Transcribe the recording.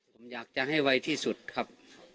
ผมอยากจะให้ไวที่สุดครับ